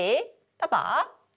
パパ？